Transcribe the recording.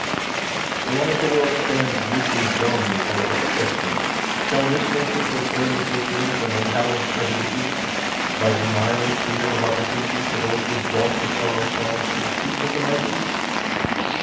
So long as the world stands meekly dumb before such questions, shall this nation proclaim its ignorance and unhallowed prejudices by denying freedom of opportunity to those who brought the Sorrow Songs to the Seats of the Mighty?